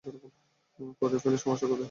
করেই ফেলো সমস্যা কোথায়?